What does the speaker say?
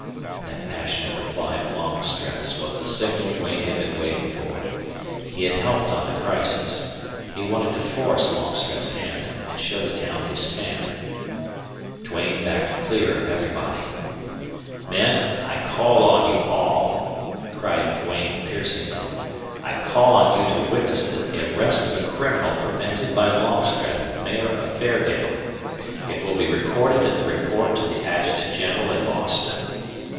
That passionate reply of Longstreth's was the signal Duane had been waiting for. He had helped on the crisis. He wanted to force Longstreth's hand and show the town his stand. Duane backed clear of everybody. "Men! I call on you all!" cried Duane, piercingly. "I call on you to witness the arrest of a criminal prevented by Longstreth, Mayor of Fairdale. It will be recorded in the report to the Adjutant General at Austin.